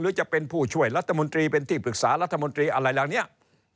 หรือจะเป็นผู้ช่วยรัฐมนตรีเป็นที่ปรึกษารัฐมนตรีอะไรแหละ